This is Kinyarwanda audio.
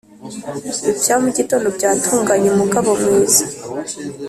ibya mugitondo byatunganye mugabo mwiza”